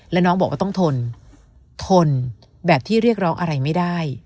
แล้วน้องบอกว่าต้องทนทนแบบที่เรียกร้องอะไรไม่ได้